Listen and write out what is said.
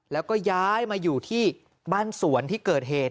แล้วก็ย้ายมาอยู่ที่บ้านสวนที่เกิดเหตุ